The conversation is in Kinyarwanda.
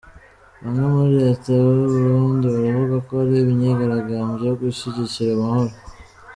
Bamwe muri Leta y’u Burundi baravuga ko ari imyigaragambyo yo gushyigikira amahoro.